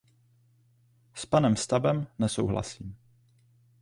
S panem Stubbem nesouhlasím.